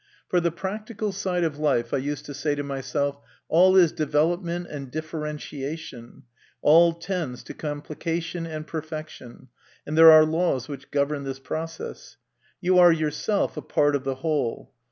For the practical side of life I used to say to myself, " All is development and differentiation, all tends* to complication and perfection, and there are laws which govern this process. You are yourself a part of the whole.